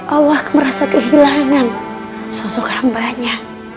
allah merasa kehilangan sosok rambahnya